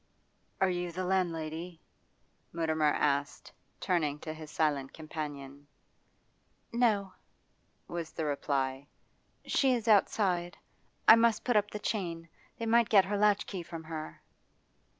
'Are you the landlady?' Mutimer asked, turning to his silent companion. 'No,' was the reply. 'She is outside, I must put up the chain. They might get her latchkey from her.